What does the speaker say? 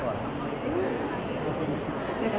แล้วมันเป็นเรื่องไหนค่ะ